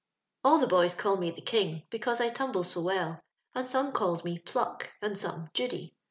" All the boys call me the King, because I tumbles so well, and some calls me * Pluck,' and some * Judy.'